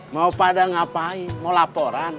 mau pada ngapain mau laporan